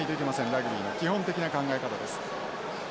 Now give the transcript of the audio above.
ラグビーの基本的な考え方です。